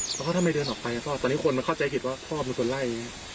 แล้วเขาทำไมเดินออกไปพ่อตอนนี้คนมาเข้าใจผิดว่าพ่อเป็นคนไล่